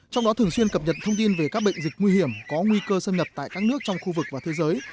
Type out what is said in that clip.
trong đó thường xuyên cập nhật thông tin về các bệnh dịch nguy hiểm có nguy cơ xâm nhập tại các nước trong khu vực và thế giới